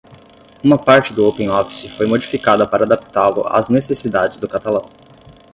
Uma parte do OpenOffice foi modificada para adaptá-lo às necessidades do catalão.